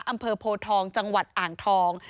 อำเภอโพทองจังหวัดอ่างทอง